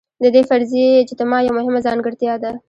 د دې فرضي اجتماع یوه مهمه ځانګړتیا ده.